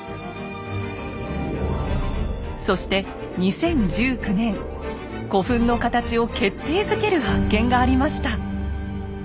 そして２０１９年古墳の形を決定づける発見がありました。